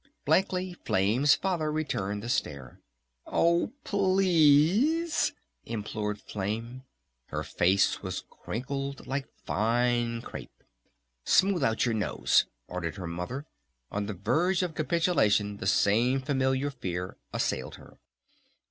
Blankly Flame's Father returned the stare. "Oh, p l e a s e!" implored Flame. Her face was crinkled like fine crêpe. "Smooth out your nose!" ordered her Mother. On the verge of capitulation the same familiar fear assailed her.